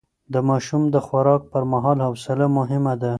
د ماشوم د خوراک پر مهال حوصله مهمه ده.